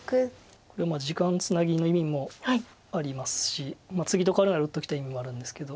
これは時間つなぎの意味もありますしツギとかわるなら打っておきたい意味もあるんですけど。